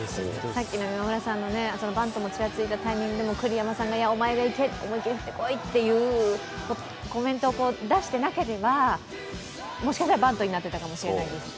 今村さんのいったバントのちらついたタイミングでも栗山さんがお前が行ってこいというコメントを出していなければ、もしかしたらバントになってかもしれないし。